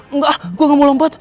enggak gua gak mau lompat